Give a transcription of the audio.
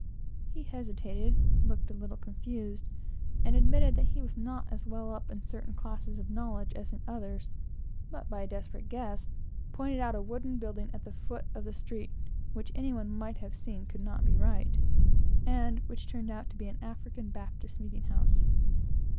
He hesitated, looked a little confused, and admitted that he was not as well up in certain classes of knowledge as in others, but, by a desperate guess, pointed out a wooden building at the foot of the street, which any one might have seen could not be right, and which turned out to be an African Baptist meeting house.